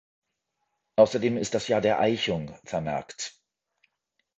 Außerdem ist das Jahr der Eichung vermerkt.